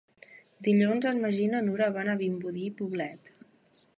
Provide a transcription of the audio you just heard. Dilluns en Magí i na Nura van a Vimbodí i Poblet.